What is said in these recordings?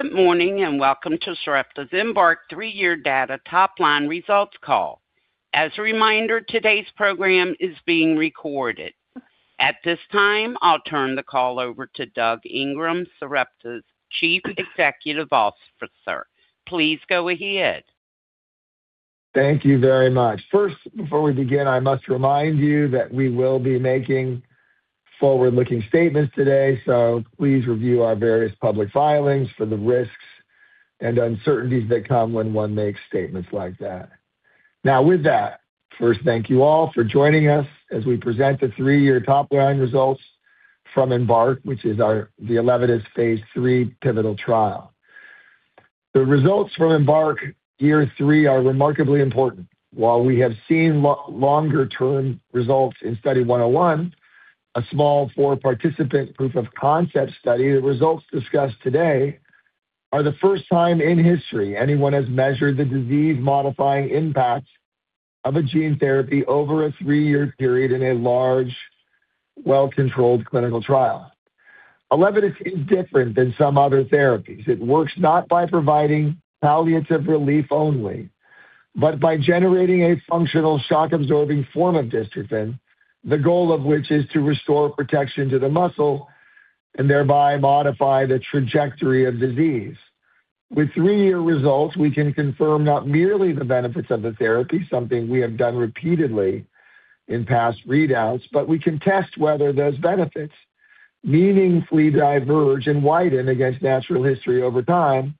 Good morning and welcome to Sarepta's EMBARK three-year data top-line results call. As a reminder, today's program is being recorded. At this time, I'll turn the call over to Doug Ingram, Sarepta's Chief Executive Officer. Please go ahead. Thank you very much. First, before we begin, I must remind you that we will be making forward-looking statements today, so please review our various public filings for the risks and uncertainties that come when one makes statements like that. Now, with that, first, thank you all for joining us as we present the three-year top-line results from EMBARK, which is the ELEVIDYS Phase 3 pivotal trial. The results from EMBARK year three are remarkably important. While we have seen longer-term results in Study 101, a small four-participant proof-of-concept study, the results discussed today are the first time in history anyone has measured the disease-modifying impact of a gene therapy over a three-year period in a large, well-controlled clinical trial. ELEVIDYS is different than some other therapies. It works not by providing palliative relief only, but by generating a functional shock-absorbing form of dystrophin, the goal of which is to restore protection to the muscle and thereby modify the trajectory of disease. With three-year results, we can confirm not merely the benefits of the therapy, something we have done repeatedly in past readouts, but we can test whether those benefits meaningfully diverge and widen against natural history over time,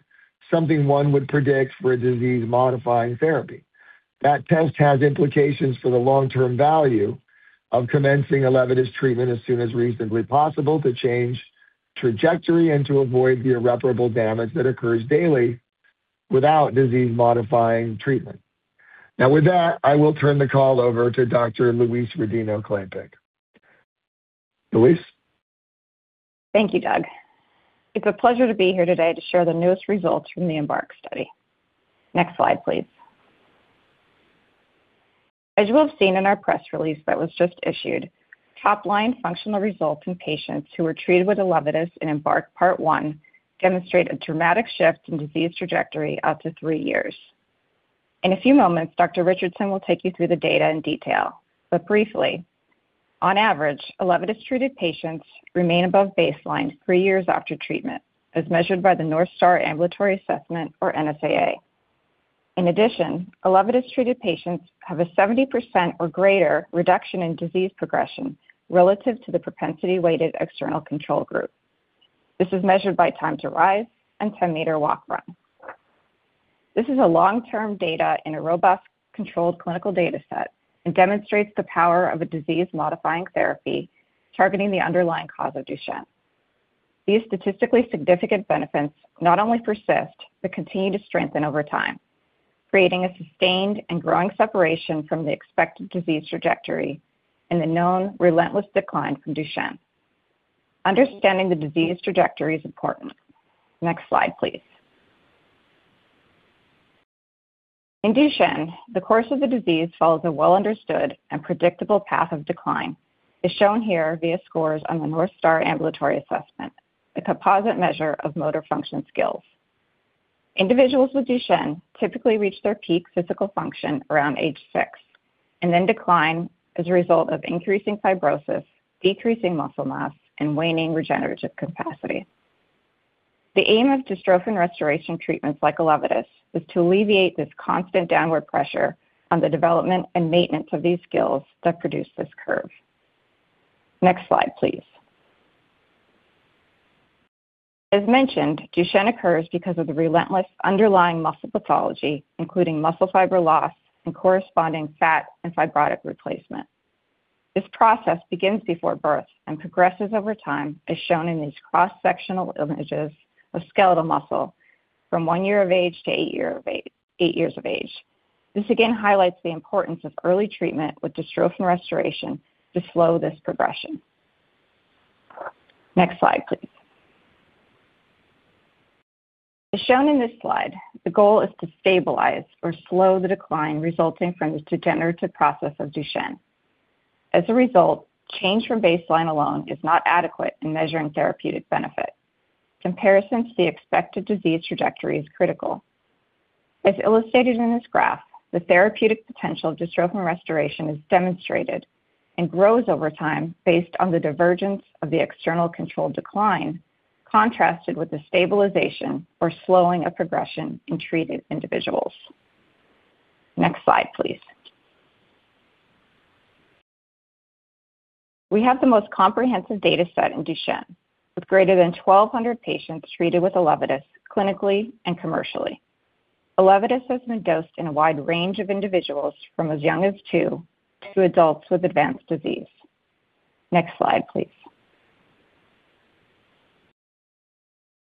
something one would predict for a disease-modifying therapy. That test has implications for the long-term value of commencing ELEVIDYS treatment as soon as reasonably possible to change trajectory and to avoid the irreparable damage that occurs daily without disease-modifying treatment. Now, with that, I will turn the call over to Dr. Louise Rodino-Klapac. Louise. Thank you, Doug. It's a pleasure to be here today to share the newest results from the EMBARK study. Next slide, please. As you will have seen in our press release that was just issued, top-line functional results in patients who were treated with ELEVIDYS in EMBARK Part 1 demonstrate a dramatic shift in disease trajectory after three years. In a few moments, Dr. Richardson will take you through the data in detail. But briefly, on average, ELEVIDYS treated patients remain above baseline three years after treatment, as measured by the North Star Ambulatory Assessment, or NSAA. In addition, ELEVIDYS treated patients have a 70% or greater reduction in disease progression relative to the propensity-weighted external control group. This is measured by time to rise and 10-meter walk/run. This is long-term data in a robust controlled clinical data set and demonstrates the power of a disease-modifying therapy targeting the underlying cause of Duchenne. These statistically significant benefits not only persist but continue to strengthen over time, creating a sustained and growing separation from the expected disease trajectory and the known relentless decline from Duchenne. Understanding the disease trajectory is important. Next slide, please. In Duchenne, the course of the disease follows a well-understood and predictable path of decline, as shown here via scores on the North Star Ambulatory Assessment, a composite measure of motor function skills. Individuals with Duchenne typically reach their peak physical function around age 6 and then decline as a result of increasing fibrosis, decreasing muscle mass, and waning regenerative capacity. The aim of dystrophin restoration treatments like ELEVIDYS is to alleviate this constant downward pressure on the development and maintenance of these skills that produce this curve. Next slide, please. As mentioned, Duchenne occurs because of the relentless underlying muscle pathology, including muscle fiber loss and corresponding fat and fibrotic replacement. This process begins before birth and progresses over time, as shown in these cross-sectional images of skeletal muscle from one year of age to eight years of age. This again highlights the importance of early treatment with dystrophin restoration to slow this progression. Next slide, please. As shown in this slide, the goal is to stabilize or slow the decline resulting from the degenerative process of Duchenne. As a result, change from baseline alone is not adequate in measuring therapeutic benefit. Comparison to the expected disease trajectory is critical. As illustrated in this graph, the therapeutic potential of dystrophin restoration is demonstrated and grows over time based on the divergence of the external control decline contrasted with the stabilization or slowing of progression in treated individuals. Next slide, please. We have the most comprehensive data set in Duchenne, with greater than 1,200 patients treated with ELEVIDYS clinically and commercially. ELEVIDYS has been dosed in a wide range of individuals from as young as two to adults with advanced disease. Next slide, please.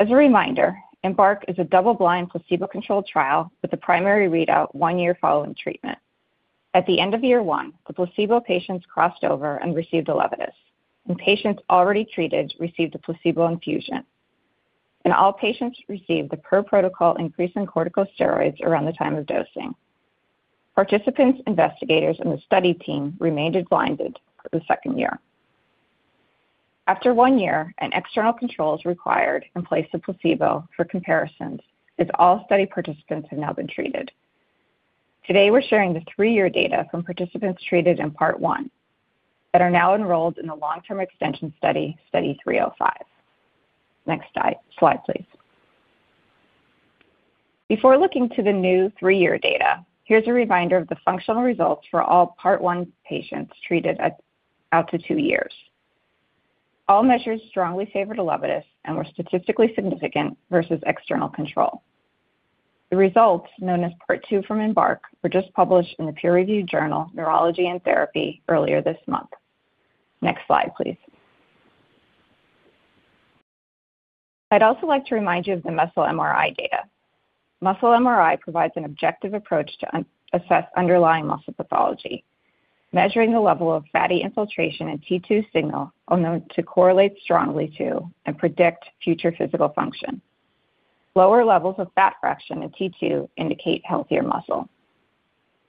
As a reminder, EMBARK is a double-blind placebo-controlled trial with the primary readout one year following treatment. At the end of year one, the placebo patients crossed over and received ELEVIDYS, and patients already treated received a placebo infusion. And all patients received the per protocol increase in corticosteroids around the time of dosing. Participants, investigators, and the study team remained blinded for the second year. After 1 year, an external control is required in place of placebo for comparisons as all study participants have now been treated. Today, we're sharing the 3-year data from participants treated in Part 1 that are now enrolled in the long-term extension study, Study 305. Next slide, please. Before looking to the new 3-year data, here's a reminder of the functional results for all Part 1 patients treated out to 2 years. All measures strongly favored ELEVIDYS and were statistically significant versus external control. The results, known as Part 2 from EMBARK, were just published in the peer-reviewed journal Neurology and Therapy earlier this month. Next slide, please. I'd also like to remind you of the muscle MRI data. Muscle MRI provides an objective approach to assess underlying muscle pathology, measuring the level of fatty infiltration and T2 signal to correlate strongly to and predict future physical function. Lower levels of fat fraction and T2 indicate healthier muscle.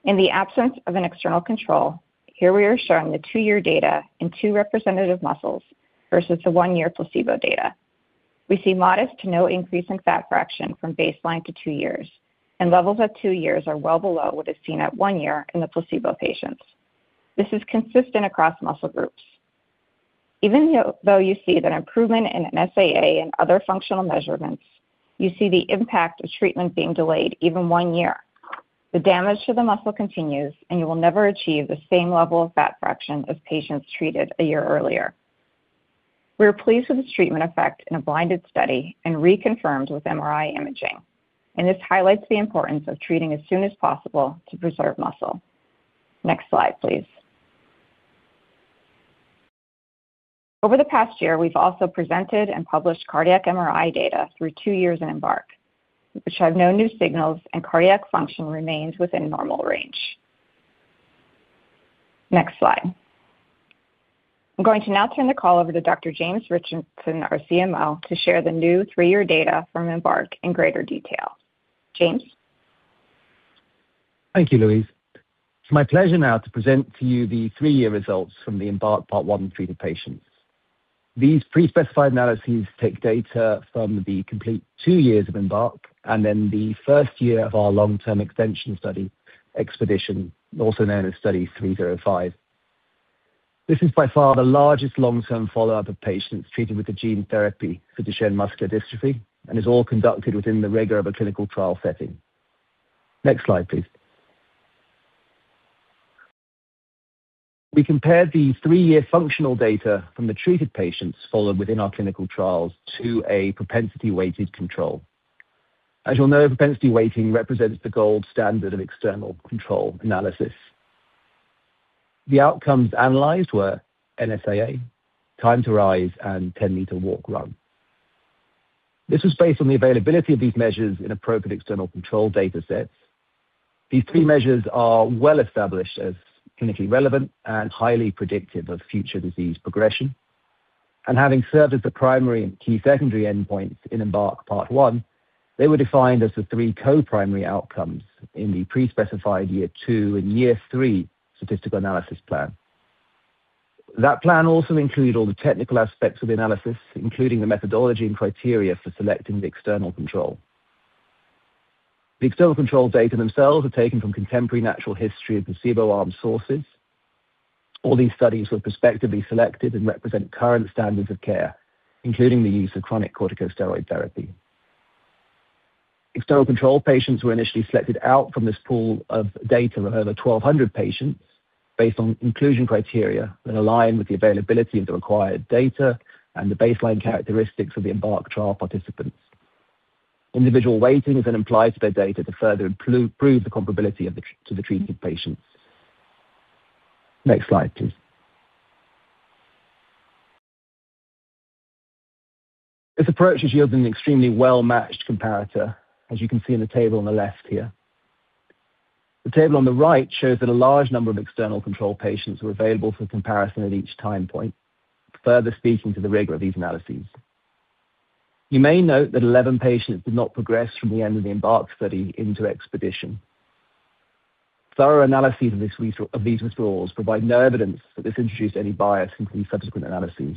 In the absence of an external control, here we are showing the 2-year data in 2 representative muscles versus the 1-year placebo data. We see modest to no increase in fat fraction from baseline to 2 years, and levels at 2 years are well below what is seen at 1 year in the placebo patients. This is consistent across muscle groups. Even though you see that improvement in NSAA and other functional measurements, you see the impact of treatment being delayed even 1 year. The damage to the muscle continues, and you will never achieve the same level of fat fraction as patients treated a year earlier. We're pleased with the treatment effect in a blinded study and reconfirmed with MRI imaging. This highlights the importance of treating as soon as possible to preserve muscle. Next slide, please. Over the past year, we've also presented and published cardiac MRI data through two years in EMBARK, which have no new signals, and cardiac function remains within normal range. Next slide. I'm going to now turn the call over to Dr. James Richardson, our CMO, to share the new three-year data from EMBARK in greater detail. James. Thank you, Louise. It's my pleasure now to present to you the 3-year results from the EMBARK Part 1 treated patients. These pre-specified analyses take data from the complete 2 years of EMBARK and then the first year of our long-term extension study EXPEDITION, also known as Study 305. This is by far the largest long-term follow-up of patients treated with the gene therapy for Duchenne muscular dystrophy, and it's all conducted within the rigor of a clinical trial setting. Next slide, please. We compared the 3-year functional data from the treated patients followed within our clinical trials to a propensity-weighted control. As you'll know, propensity weighting represents the gold standard of external control analysis. The outcomes analyzed were NSAA, time to arise, and 10-meter walk/run. This was based on the availability of these measures in appropriate external control data sets. These three measures are well established as clinically relevant and highly predictive of future disease progression. Having served as the primary and key secondary endpoints in EMBARK Part 1, they were defined as the three co-primary outcomes in the pre-specified year two and year three statistical analysis plan. That plan also included all the technical aspects of the analysis, including the methodology and criteria for selecting the external control. The external control data themselves are taken from contemporary natural history of placebo-armed sources. All these studies were prospectively selected and represent current standards of care, including the use of chronic corticosteroid therapy. External control patients were initially selected out from this pool of data of over 1,200 patients based on inclusion criteria that align with the availability of the required data and the baseline characteristics of the EMBARK trial participants. Individual weighting is then applied to their data to further prove the comparability of the treated patients. Next slide, please. This approach has yielded an extremely well-matched comparator, as you can see in the table on the left here. The table on the right shows that a large number of external control patients were available for comparison at each time point, further speaking to the rigor of these analyses. You may note that 11 patients did not progress from the end of the EMBARK study into EXPEDITION. Thorough analyses of these withdrawals provide no evidence that this introduced any bias in the subsequent analyses.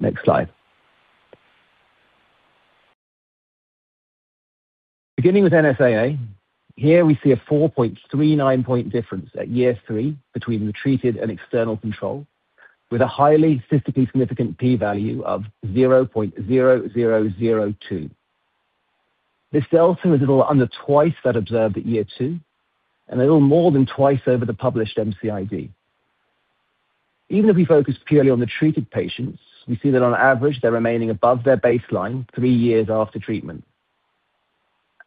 Next slide. Beginning with NSAA, here we see a 4.39-point difference at year 3 between the treated and external control, with a highly statistically significant p-value of 0.0002. This delta is a little under twice that observed at year 2, and a little more than twice over the published MCID. Even if we focus purely on the treated patients, we see that on average they're remaining above their baseline 3 years after treatment.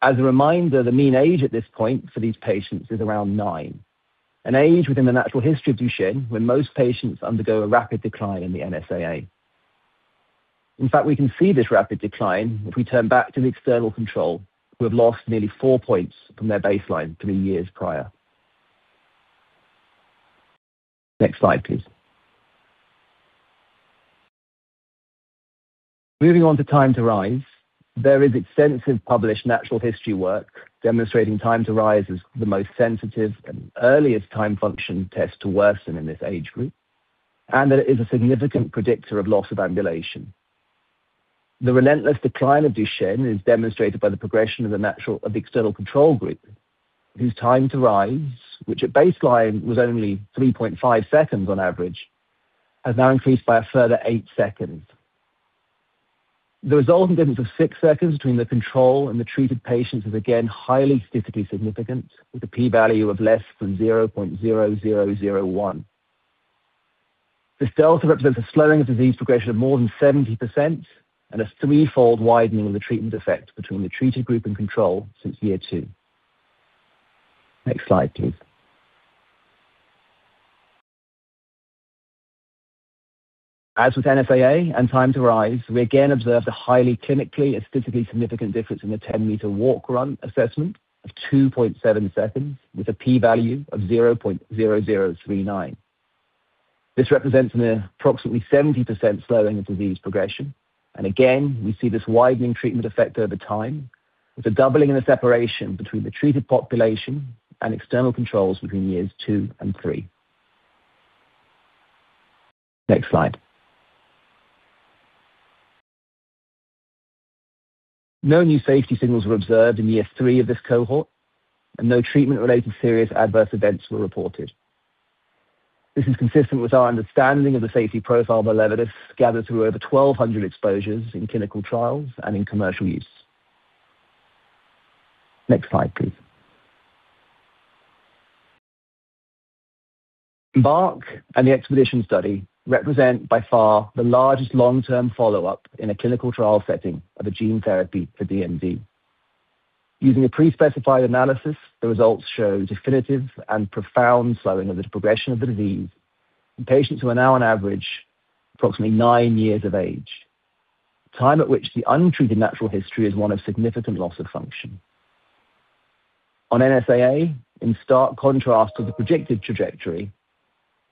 As a reminder, the mean age at this point for these patients is around nine, an age within the natural history of Duchenne when most patients undergo a rapid decline in the NSAA. In fact, we can see this rapid decline if we turn back to the external control, who have lost nearly 4 points from their baseline 3 years prior. Next slide, please. Moving on to time to arise, there is extensive published natural history work demonstrating time to arise as the most sensitive and earliest time function test to worsen in this age group, and that it is a significant predictor of loss of ambulation. The relentless decline of Duchenne is demonstrated by the progression of the external control group, whose time to arise, which at baseline was only 3.5 seconds on average, has now increased by a further 8 seconds. The resultant difference of 6 seconds between the control and the treated patients is again highly statistically significant, with a p-value of less than 0.0001. This delta represents a slowing of disease progression of more than 70% and a threefold widening of the treatment effect between the treated group and control since year two. Next slide, please. As with NSAA and time to arise, we again observe the highly clinically and statistically significant difference in the 10-meter walk/run assessment of 2.7 seconds, with a p-value of 0.0039. This represents an approximately 70% slowing of disease progression. And again, we see this widening treatment effect over time, with a doubling in the separation between the treated population and external controls between years two and three. Next slide. No new safety signals were observed in year three of this cohort, and no treatment-related serious adverse events were reported. This is consistent with our understanding of the safety profile of ELEVIDYS gathered through over 1,200 exposures in clinical trials and in commercial use. Next slide, please. EMBARK and the EXPEDITION study represent by far the largest long-term follow-up in a clinical trial setting of a gene therapy for DMD. Using a pre-specified analysis, the results show definitive and profound slowing of the progression of the disease in patients who are now, on average, approximately nine years of age, time at which the untreated natural history is one of significant loss of function. On NSAA, in stark contrast to the predicted trajectory,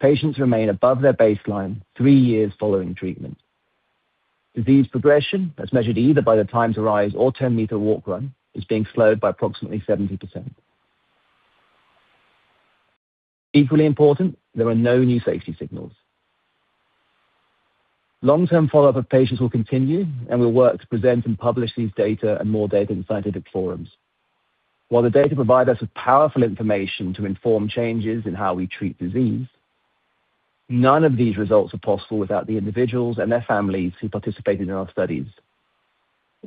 patients remain above their baseline three years following treatment. Disease progression, as measured either by the time to arise or 10-meter walk/run, is being slowed by approximately 70%. Equally important, there are no new safety signals. Long-term follow-up of patients will continue, and we'll work to present and publish these data and more data in scientific forums. While the data provide us with powerful information to inform changes in how we treat disease, none of these results are possible without the individuals and their families who participated in our studies.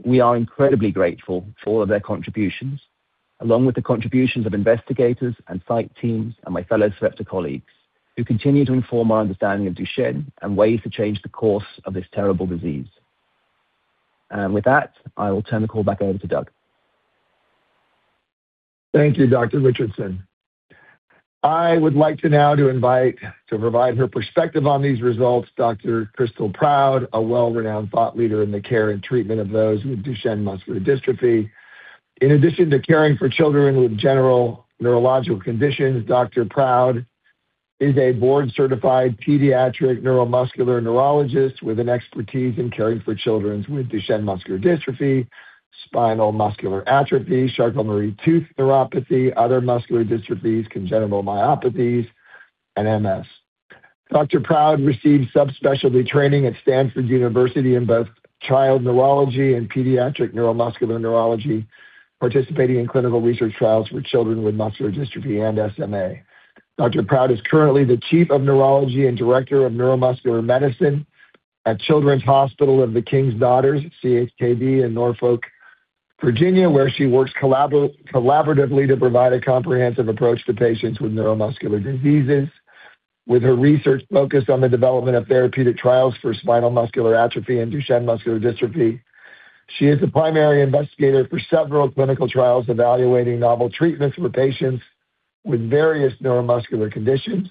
We are incredibly grateful for all of their contributions, along with the contributions of investigators and site teams and my fellow Sarepta colleagues, who continue to inform our understanding of Duchenne and ways to change the course of this terrible disease. With that, I will turn the call back over to Doug. Thank you, Dr. Richardson. I would like to now invite to provide her perspective on these results, Dr. Crystal Proud, a well-renowned thought leader in the care and treatment of those with Duchenne muscular dystrophy. In addition to caring for children with general neurological conditions, Dr. Proud is a board-certified pediatric neuromuscular neurologist with an expertise in caring for children with Duchenne muscular dystrophy, spinal muscular atrophy, Charcot-Marie-Tooth neuropathy, other muscular dystrophies, congenital myopathies, and MS. Dr. Proud received subspecialty training at Stanford University in both child neurology and pediatric neuromuscular neurology, participating in clinical research trials for children with muscular dystrophy and SMA. Dr. Proud is currently the chief of neurology and director of neuromuscular medicine at Children's Hospital of The King's Daughters, CHKD, in Norfolk, Virginia, where she works collaboratively to provide a comprehensive approach to patients with neuromuscular diseases. With her research focused on the development of therapeutic trials for spinal muscular atrophy and Duchenne muscular dystrophy, she is the primary investigator for several clinical trials evaluating novel treatments for patients with various neuromuscular conditions.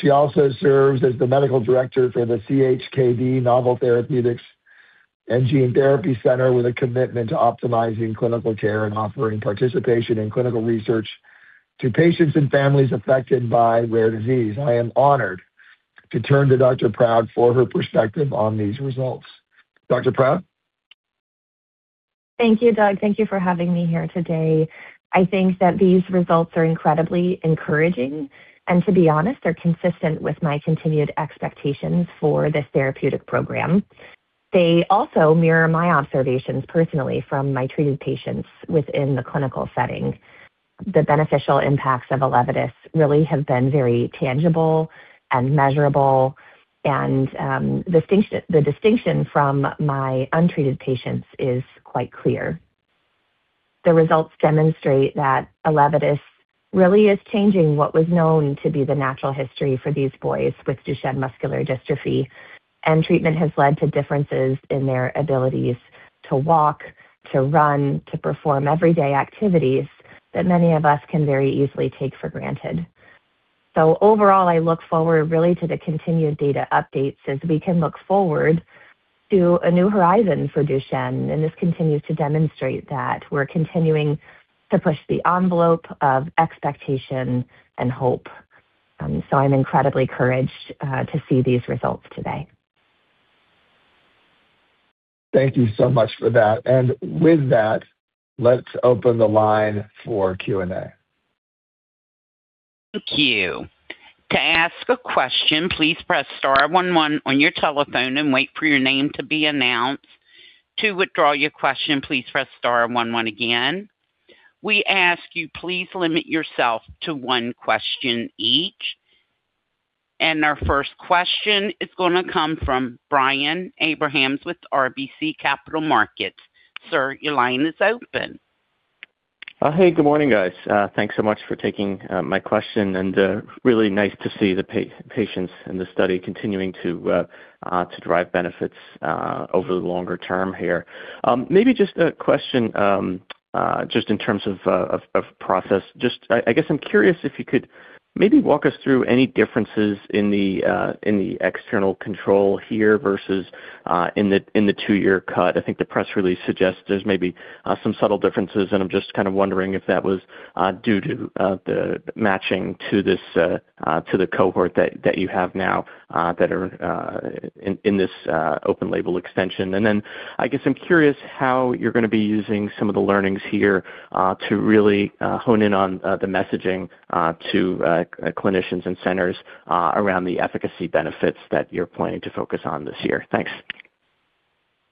She also serves as the medical director for the CHKD Novel Therapeutics and Gene Therapy Center, with a commitment to optimizing clinical care and offering participation in clinical research to patients and families affected by rare disease. I am honored to turn to Dr. Proud for her perspective on these results. Dr. Proud? Thank you, Doug. Thank you for having me here today. I think that these results are incredibly encouraging, and to be honest, they're consistent with my continued expectations for this therapeutic program. They also mirror my observations personally from my treated patients within the clinical setting. The beneficial impacts of ELEVIDYS really have been very tangible and measurable, and the distinction from my untreated patients is quite clear. The results demonstrate that ELEVIDYS really is changing what was known to be the natural history for these boys with Duchenne muscular dystrophy, and treatment has led to differences in their abilities to walk, to run, to perform everyday activities that many of us can very easily take for granted. So overall, I look forward really to the continued data updates as we can look forward to a new horizon for Duchenne, and this continues to demonstrate that we're continuing to push the envelope of expectation and hope. So I'm incredibly encouraged to see these results today. Thank you so much for that. With that, let's open the line for Q&A. Thank you. To ask a question, please press star one one on your telephone and wait for your name to be announced. To withdraw your question, please press star one one again. We ask you, please limit yourself to one question each. Our first question is going to come from Brian Abrahams with RBC Capital Markets. Sir, your line is open. Hey, good morning, guys. Thanks so much for taking my question, and really nice to see the patients in the study continuing to drive benefits over the longer term here. Maybe just a question just in terms of process. I guess I'm curious if you could maybe walk us through any differences in the external control here versus in the 2-year cut. I think the press release suggests there's maybe some subtle differences, and I'm just kind of wondering if that was due to the matching to the cohort that you have now that are in this open-label extension. And then I guess I'm curious how you're going to be using some of the learnings here to really hone in on the messaging to clinicians and centers around the efficacy benefits that you're planning to focus on this year. Thanks.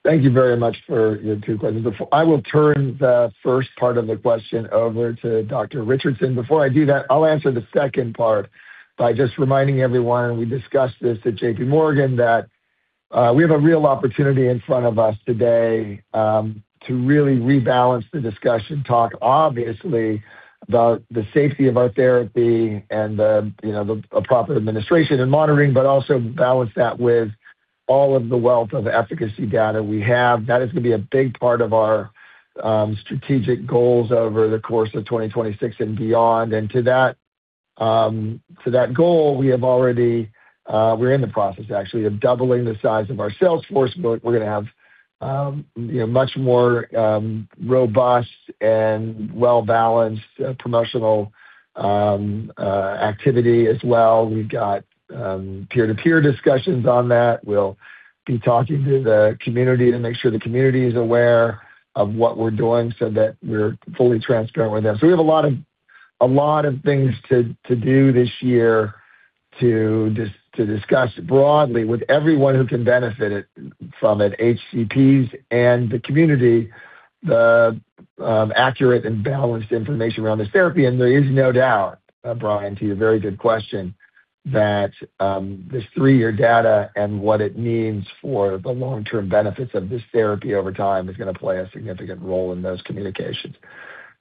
Thank you very much for your two questions. I will turn the first part of the question over to Dr. Richardson. Before I do that, I'll answer the second part by just reminding everyone, and we discussed this at JPMorgan, that we have a real opportunity in front of us today to really rebalance the discussion talk, obviously, about the safety of our therapy and the proper administration and monitoring, but also balance that with all of the wealth of efficacy data we have. That is going to be a big part of our strategic goals over the course of 2026 and beyond. And to that goal, we have already—we're in the process, actually, of doubling the size of our sales force book. We're going to have much more robust and well-balanced promotional activity as well. We've got peer-to-peer discussions on that. We'll be talking to the community to make sure the community is aware of what we're doing so that we're fully transparent with them. So we have a lot of things to do this year to discuss broadly with everyone who can benefit from it, HCPs and the community, the accurate and balanced information around this therapy. And there is no doubt, Brian, to your very good question, that this three-year data and what it means for the long-term benefits of this therapy over time is going to play a significant role in those communications.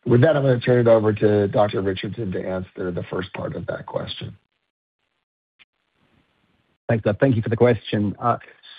With that, I'm going to turn it over to Dr. Richardson to answer the first part of that question. Thanks, Doug. Thank you for the question.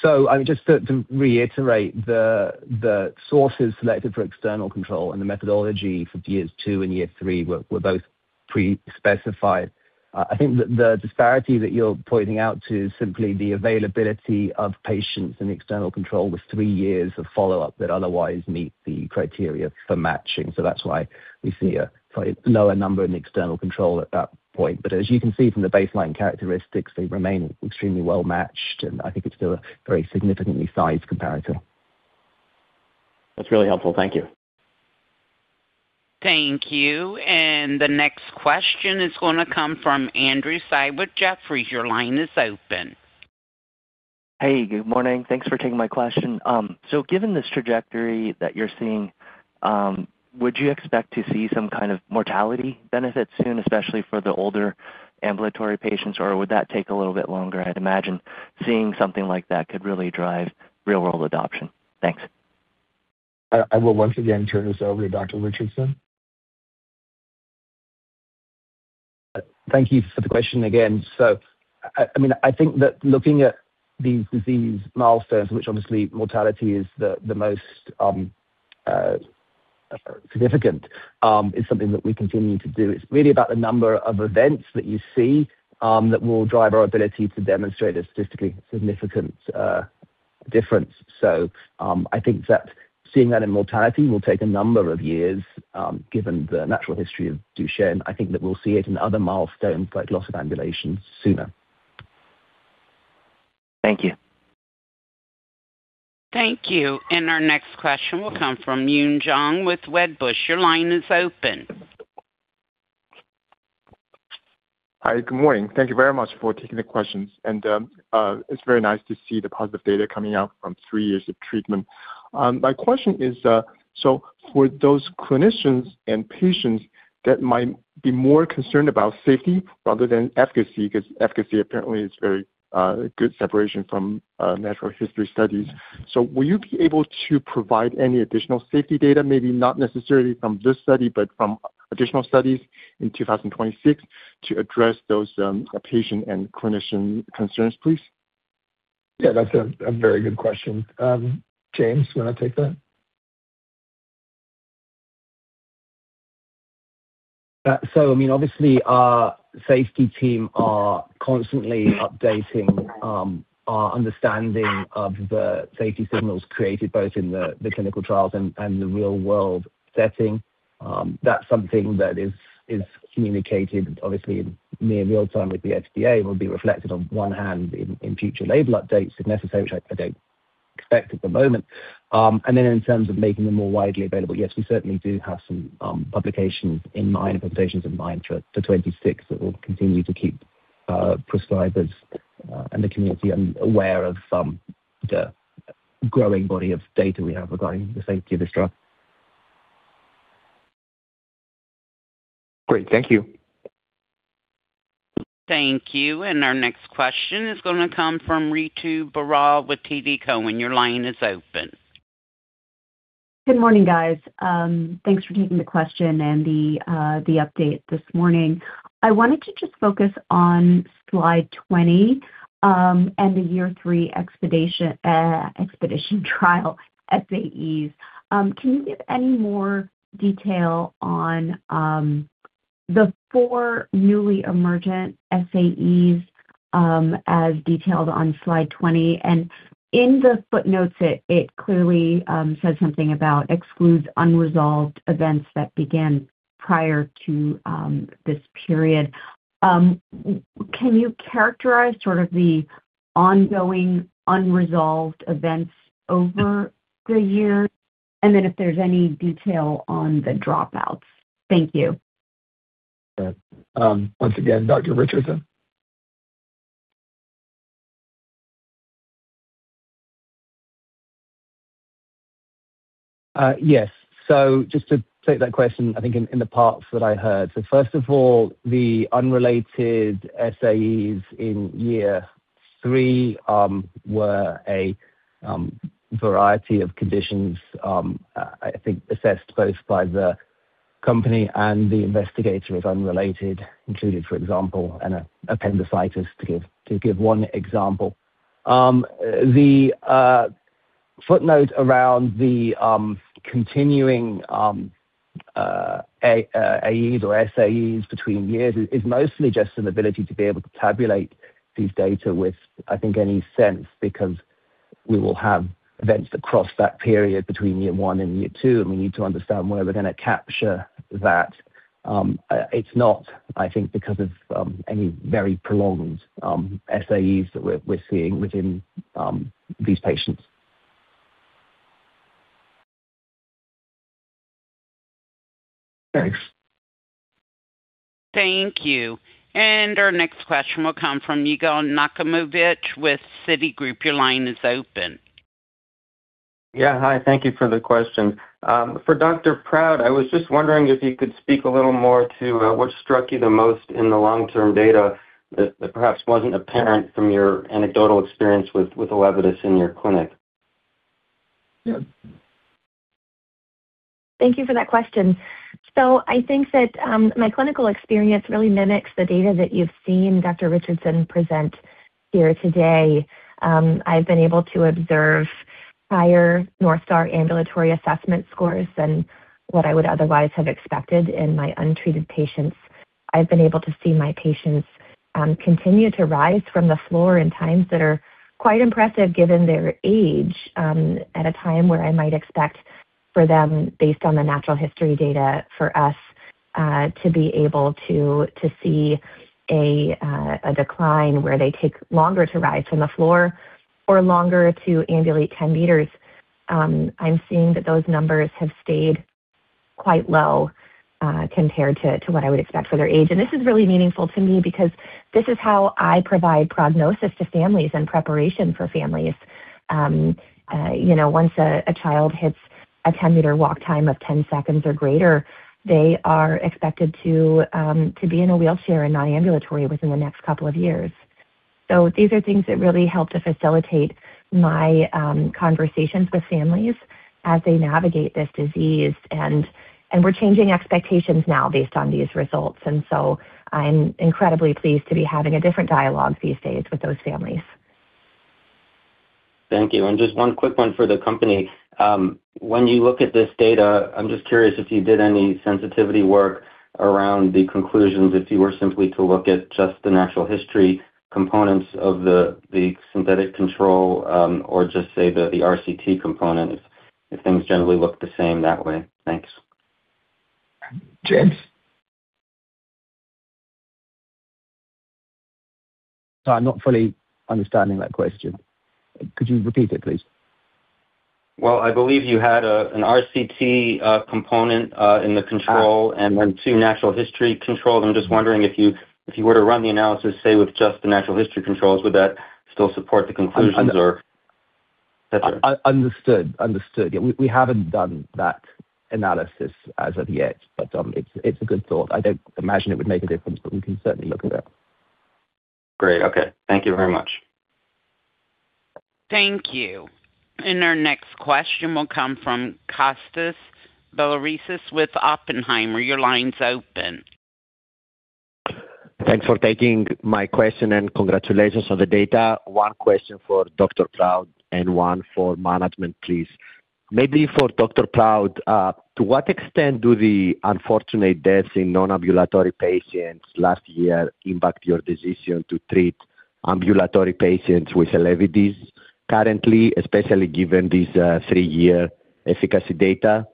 So just to reiterate, the sources selected for external control and the methodology for years 2 and year 3 were both pre-specified. I think the disparity that you're pointing out to is simply the availability of patients in external control with 3 years of follow-up that otherwise meet the criteria for matching. So that's why we see a slightly lower number in the external control at that point. But as you can see from the baseline characteristics, they remain extremely well-matched, and I think it's still a very significantly sized comparison. That's really helpful. Thank you. Thank you. The next question is going to come from Andrew Tsai with Jefferies. Your line is open. Hey, good morning. Thanks for taking my question. So given this trajectory that you're seeing, would you expect to see some kind of mortality benefit soon, especially for the older ambulatory patients, or would that take a little bit longer? I'd imagine seeing something like that could really drive real-world adoption. Thanks. I will once again turn this over to Dr. Richardson. Thank you for the question again. So I mean, I think that looking at these disease milestones, which obviously mortality is the most significant, is something that we continue to do. It's really about the number of events that you see that will drive our ability to demonstrate a statistically significant difference. So I think that seeing that in mortality will take a number of years given the natural history of Duchenne. I think that we'll see it in other milestones like loss of ambulation sooner. Thank you. Thank you. Our next question will come from Yun Zhong with BTIG. Your line is open. Hi, good morning. Thank you very much for taking the questions. It's very nice to see the positive data coming out from three years of treatment. My question is, so for those clinicians and patients that might be more concerned about safety rather than efficacy, because efficacy apparently is a very good separation from natural history studies, so will you be able to provide any additional safety data, maybe not necessarily from this study, but from additional studies in 2026 to address those patient and clinician concerns, please? Yeah, that's a very good question. James, you want to take that? So I mean, obviously, our safety team are constantly updating our understanding of the safety signals created both in the clinical trials and the real-world setting. That's something that is communicated, obviously, near real-time with the FDA and will be reflected on one hand in future label updates if necessary, which I don't expect at the moment. And then in terms of making them more widely available, yes, we certainly do have some publications in mind, publications in mind for 2026 that will continue to keep prescribers and the community aware of the growing body of data we have regarding the safety of this drug. Great. Thank you. Thank you. And our next question is going to come from Ritu Baral with TD Cowen. Your line is open. Good morning, guys. Thanks for taking the question and the update this morning. I wanted to just focus on slide 20 and the year 3 Expedition trial SAEs. Can you give any more detail on the 4 newly emergent SAEs as detailed on slide 20? And in the footnotes, it clearly says something about excludes unresolved events that began prior to this period. Can you characterize sort of the ongoing unresolved events over the year? And then if there's any detail on the dropouts. Thank you. Once again, Dr. Richardson. Yes. So just to take that question, I think in the parts that I heard. So first of all, the unrelated SAEs in year three were a variety of conditions, I think, assessed both by the company and the investigator as unrelated, including, for example, an appendicitis, to give one example. The footnote around the continuing AEs or SAEs between years is mostly just an ability to be able to tabulate these data with, I think, any sense, because we will have events that cross that period between year one and year two, and we need to understand where we're going to capture that. It's not, I think, because of any very prolonged SAEs that we're seeing within these patients. Thanks. Thank you. And our next question will come from Yigal Nochomovitz with Citigroup. Your line is open. Yeah. Hi. Thank you for the question. For Dr. Proud, I was just wondering if you could speak a little more to what struck you the most in the long-term data that perhaps wasn't apparent from your anecdotal experience with ELEVIDYS in your clinic. Yeah. Thank you for that question. So I think that my clinical experience really mimics the data that you've seen, Dr. Richardson, present here today. I've been able to observe higher North Star Ambulatory Assessment scores than what I would otherwise have expected in my untreated patients. I've been able to see my patients continue to rise from the floor in times that are quite impressive given their age at a time where I might expect for them, based on the natural history data, for us to be able to see a decline where they take longer to rise from the floor or longer to ambulate 10 meters. I'm seeing that those numbers have stayed quite low compared to what I would expect for their age. And this is really meaningful to me because this is how I provide prognosis to families and preparation for families. Once a child hits a 10-meter walk time of 10 seconds or greater, they are expected to be in a wheelchair and non-ambulatory within the next couple of years. These are things that really help to facilitate my conversations with families as they navigate this disease. We're changing expectations now based on these results. So I'm incredibly pleased to be having a different dialogue these days with those families. Thank you. Just one quick one for the company. When you look at this data, I'm just curious if you did any sensitivity work around the conclusions if you were simply to look at just the natural history components of the synthetic control or just say the RCT component, if things generally look the same that way? Thanks. James. Sorry, I'm not fully understanding that question. Could you repeat it, please? Well, I believe you had an RCT component in the control and then two natural history controls. I'm just wondering if you were to run the analysis, say, with just the natural history controls, would that still support the conclusions or? Understood. Understood. Yeah. We haven't done that analysis as of yet, but it's a good thought. I don't imagine it would make a difference, but we can certainly look at that. Great. Okay. Thank you very much. Thank you. Our next question will come from Kostas Biliouris with BMO Capital Markets. Your line's open. Thanks for taking my question and congratulations on the data. One question for Dr. Proud and one for management, please. Maybe for Dr. Proud, to what extent do the unfortunate deaths in non-ambulatory patients last year impact your decision to treat ambulatory patients with ELEVIDYS currently, especially given these three-year efficacy data?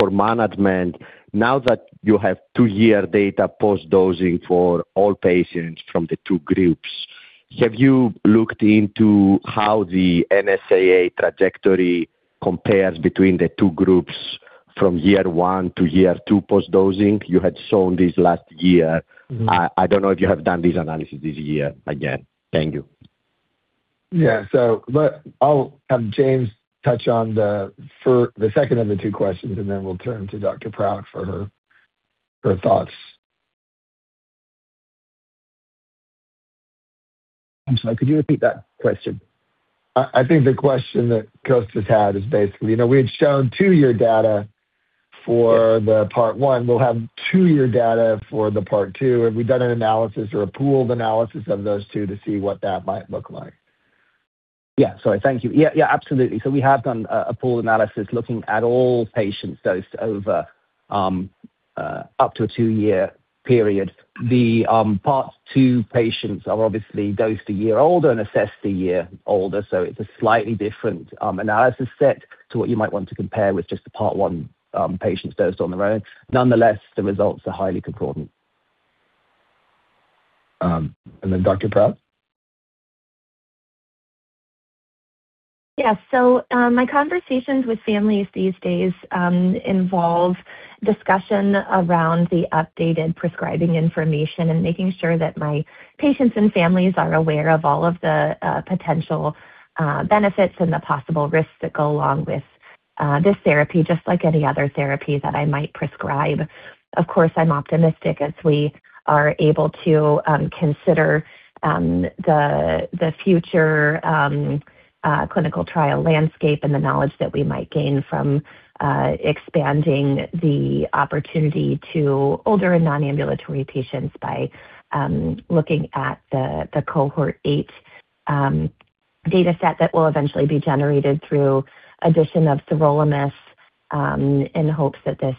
For management, now that you have two-year data post-dosing for all patients from the two groups, have you looked into how the NSAA trajectory compares between the two groups from year one to year two post-dosing? You had shown this last year. I don't know if you have done this analysis this year again. Thank you. Yeah. So I'll have James touch on the second of the two questions, and then we'll turn to Dr. Proud for her thoughts. I'm sorry. Could you repeat that question? I think the question that Costas had is basically, we had shown 2-year data for the part 1. We'll have 2 year data for the part two. Have we done an analysis or a pooled analysis of those 2 to see what that might look like? Yeah. Sorry. Thank you. Yeah, yeah, absolutely. So we have done a pooled analysis looking at all patients dosed over up to a 2-year period. The Part 2 patients are obviously dosed a year older and assessed a year older. So it's a slightly different analysis set to what you might want to compare with just the Part 1 patients dosed on their own. Nonetheless, the results are highly concordant. And then Dr. Proud? Yeah. So my conversations with families these days involve discussion around the updated prescribing information and making sure that my patients and families are aware of all of the potential benefits and the possible risks that go along with this therapy, just like any other therapy that I might prescribe. Of course, I'm optimistic as we are able to consider the future clinical trial landscape and the knowledge that we might gain from expanding the opportunity to older and non-ambulatory patients by looking at the Cohort 8 data set that will eventually be generated through addition of sirolimus in hopes that this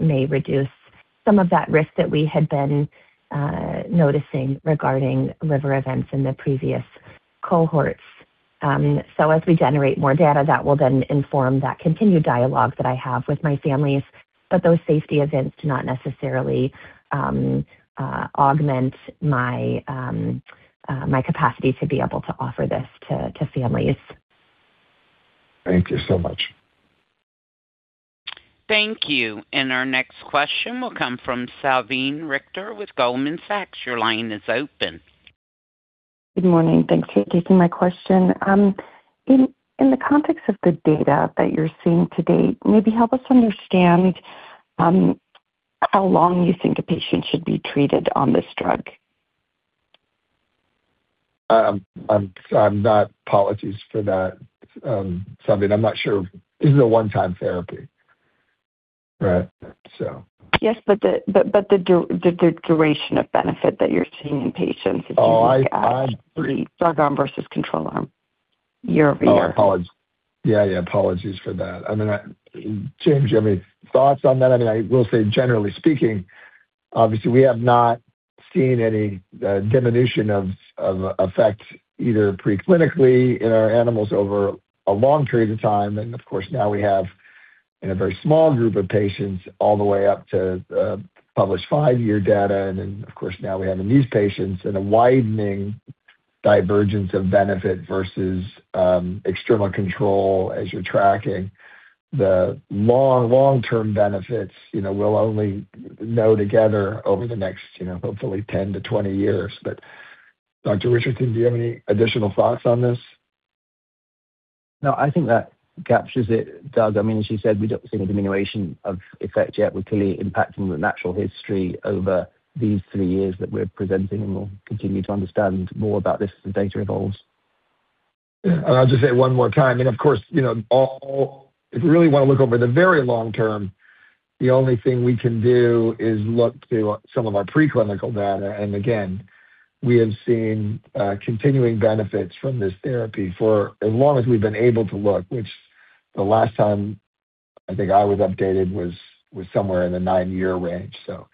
may reduce some of that risk that we had been noticing regarding liver events in the previous cohorts. So as we generate more data, that will then inform that continued dialogue that I have with my families. But those safety events do not necessarily augment my capacity to be able to offer this to families. Thank you so much. Thank you. Our next question will come from Salveen Richter with Goldman Sachs. Your line is open. Good morning. Thanks for taking my question. In the context of the data that you're seeing to date, maybe help us understand how long you think a patient should be treated on this drug. I'm not. Apologies for that. I'm not sure. This is a one-time therapy, right? So. Yes, but the duration of benefit that you're seeing in patients is usually at three, drug-arm versus control-arm, year-over-year. Oh, apologies. Yeah, yeah. Apologies for that. I mean, James, do you have any thoughts on that? I mean, I will say, generally speaking, obviously, we have not seen any diminution of effect either preclinically in our animals over a long period of time. And of course, now we have a very small group of patients all the way up to published five-year data. And then, of course, now we have in these patients a widening divergence of benefit versus external control as you're tracking. The long-term benefits we'll only know together over the next, hopefully, 10-20 years. But Dr. Richardson, do you have any additional thoughts on this? No, I think that captures it, Doug. I mean, as you said, we don't see any diminution of effect yet. We're clearly impacting the natural history over these three years that we're presenting, and we'll continue to understand more about this as the data evolves. Yeah. And I'll just say one more time. And of course, if we really want to look over the very long term, the only thing we can do is look to some of our preclinical data. And again, we have seen continuing benefits from this therapy for as long as we've been able to look, which the last time I think I was updated was somewhere in the 9-year range. So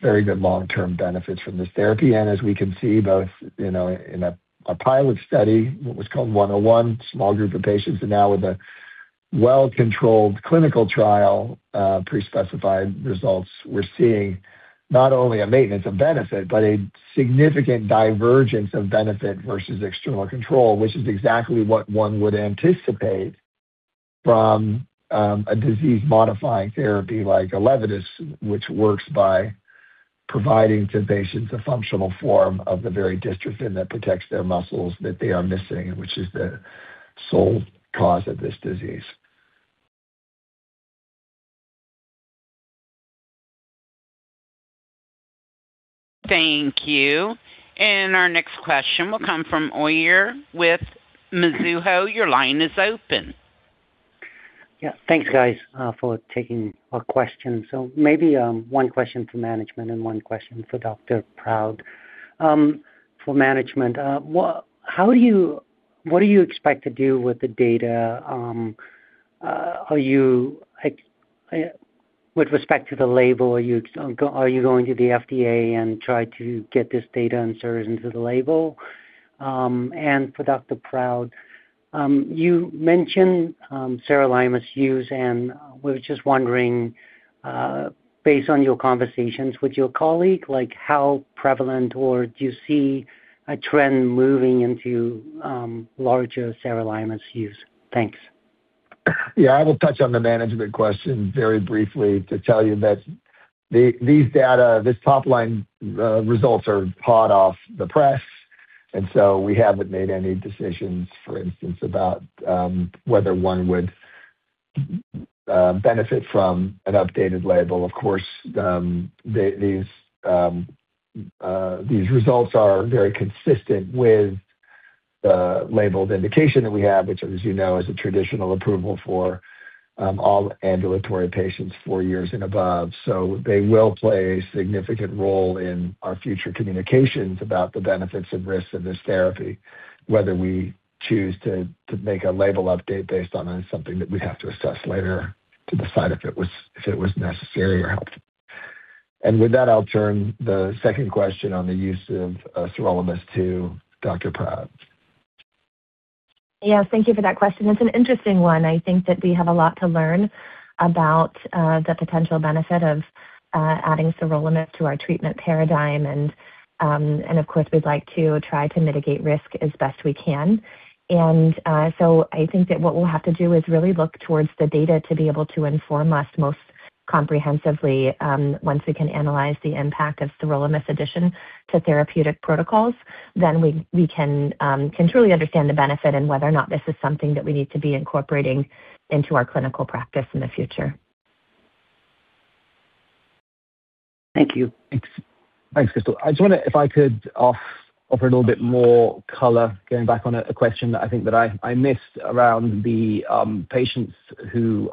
very good long-term benefits from this therapy. As we can see, both in a pilot study, what was called 101, small group of patients, and now with a well-controlled clinical trial, pre-specified results, we're seeing not only a maintenance of benefit, but a significant divergence of benefit versus external control, which is exactly what one would anticipate from a disease-modifying therapy like ELEVIDYS, which works by providing to patients a functional form of the very dystrophin that protects their muscles that they are missing, which is the sole cause of this disease. Thank you. Our next question will come from Uy Ear with Mizuho. Your line is open. Yeah. Thanks, guys, for taking our questions. So maybe one question for management and one question for Dr. Proud. For management, what do you expect to do with the data with respect to the label? Are you going to the FDA and try to get this data and serve it into the label? And for Dr. Proud, you mentioned sirolimus use, and we're just wondering, based on your conversations with your colleague, how prevalent or do you see a trend moving into larger sirolimus use? Thanks. Yeah. I will touch on the management question very briefly to tell you that these top-line results are hot off the press. And so we haven't made any decisions, for instance, about whether one would benefit from an updated label. Of course, these results are very consistent with the labeled indication that we have, which, as you know, is a traditional approval for all ambulatory patients four years and above. So they will play a significant role in our future communications about the benefits and risks of this therapy, whether we choose to make a label update based on something that we have to assess later to decide if it was necessary or helpful. And with that, I'll turn the second question on the use of sirolimus to Dr. Proud. Yeah. Thank you for that question. It's an interesting one. I think that we have a lot to learn about the potential benefit of adding sirolimus to our treatment paradigm. And of course, we'd like to try to mitigate risk as best we can. And so I think that what we'll have to do is really look towards the data to be able to inform us most comprehensively. Once we can analyze the impact of sirolimus addition to therapeutic protocols, then we can truly understand the benefit and whether or not this is something that we need to be incorporating into our clinical practice in the future. Thank you. Thanks, Crystal. I just wanted, if I could, to offer a little bit more color going back on a question that I think that I missed around the patients who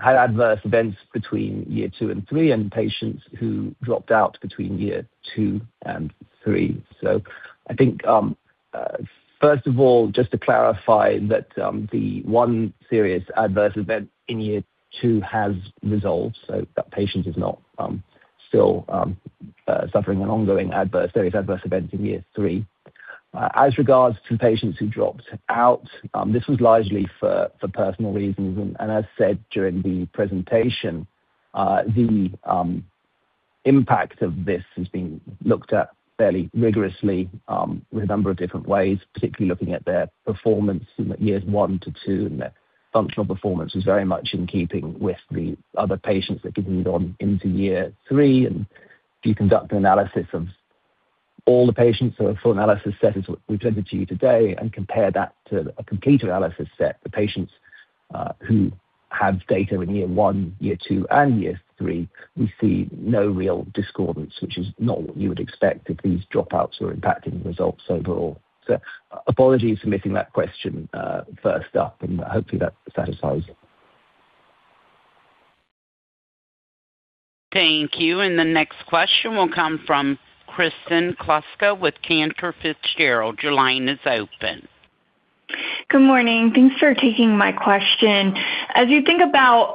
had adverse events between year two and three and patients who dropped out between year two and three. So I think, first of all, just to clarify that the one serious adverse event in year two has resolved, so that patient is not still suffering an ongoing serious adverse event in year three. As regards to the patients who dropped out, this was largely for personal reasons. And as said during the presentation, the impact of this has been looked at fairly rigorously with a number of different ways, particularly looking at their performance in years one to two. And their functional performance was very much in keeping with the other patients that continued on into year three. If you conduct an analysis of all the patients, so a full analysis set is what we presented to you today, and compare that to a complete analysis set, the patients who have data in year one, year two, and year three, we see no real discordance, which is not what you would expect if these dropouts were impacting results overall. Apologies for missing that question first up, and hopefully, that satisfies. Thank you. And the next question will come from Kristen Kluska with Cantor Fitzgerald. Your line is open. Good morning. Thanks for taking my question. As you think about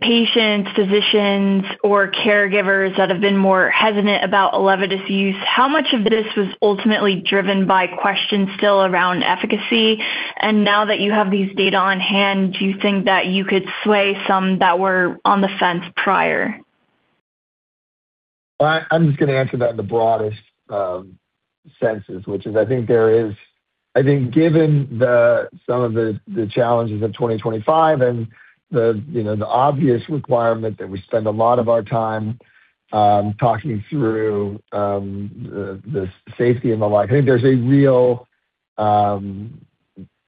patients, physicians, or caregivers that have been more hesitant about ELEVIDYS use, how much of this was ultimately driven by questions still around efficacy? And now that you have these data on hand, do you think that you could sway some that were on the fence prior? I'm just going to answer that in the broadest senses, which is I think there is, I think, given some of the challenges of 2025 and the obvious requirement that we spend a lot of our time talking through the safety and the like, I think there's a real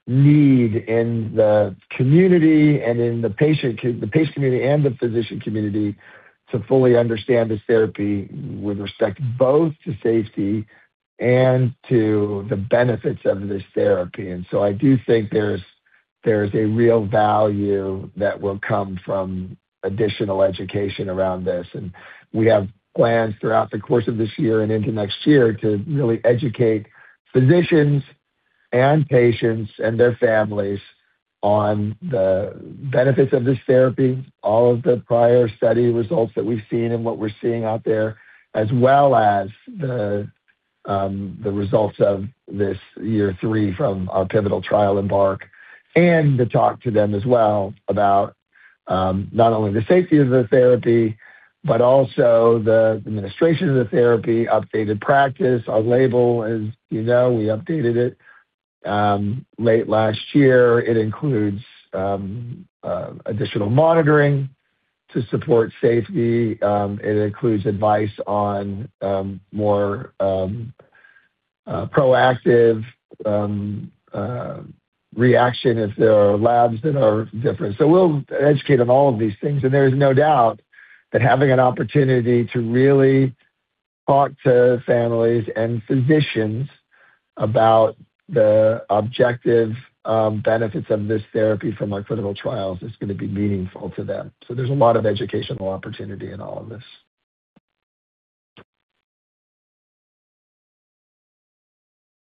need in the community and in the patient community and the physician community to fully understand this therapy with respect both to safety and to the benefits of this therapy. And so I do think there's a real value that will come from additional education around this. We have plans throughout the course of this year and into next year to really educate physicians and patients and their families on the benefits of this therapy, all of the prior study results that we've seen and what we're seeing out there, as well as the results of this year three from our pivotal trial in EMBARK, and to talk to them as well about not only the safety of the therapy, but also the administration of the therapy, updated practice. Our label, as you know, we updated it late last year. It includes additional monitoring to support safety. It includes advice on more proactive reaction if there are labs that are different. So we'll educate on all of these things. There is no doubt that having an opportunity to really talk to families and physicians about the objective benefits of this therapy from our clinical trials is going to be meaningful to them. There's a lot of educational opportunity in all of this.